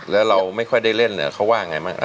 แล้วเราไม่ค่อยได้เล่นเขาว่าไง